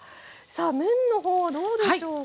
さあ麺の方どうでしょうか。